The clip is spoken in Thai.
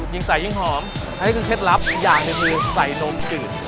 ยิ่งใส่ยิ่งหอมอันนี้คือเคล็ดลับอีกอย่างหนึ่งคือใส่นมจืด